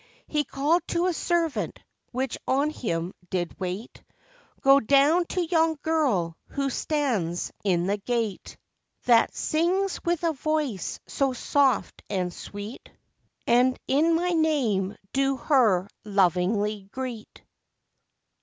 He called to his servant, which on him did wait, 'Go down to yon girl who stands in the gate, That sings with a voice so soft and so sweet, And in my name do her lovingly greet.